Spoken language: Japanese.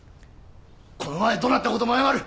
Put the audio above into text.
この前どなったことも謝る！